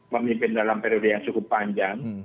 memimpin dalam periode yang cukup panjang